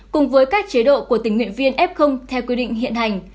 cùng với các chế độ của tình nguyện viên f theo quy định hiện hành